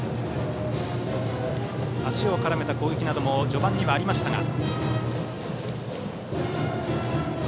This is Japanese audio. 足を絡めた攻撃なども序盤にはありましたが。